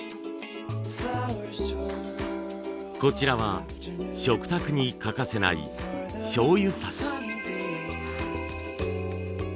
こちらは食卓に欠かせない醤油さし。